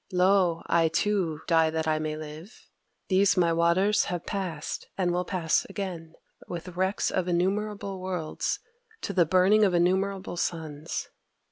Lo! I, too, die that I may live: these my waters have passed, and will pass again, with wrecks of innumerable worlds to the burning of innumerable suns.